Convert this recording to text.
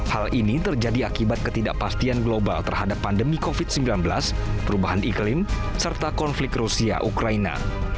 hal ini terjadi akibat ketidakpastian global terhadap pandemi covid sembilan belas perubahan iklim serta konflik rusia ukraina